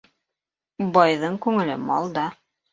Байҙың күңеле малда.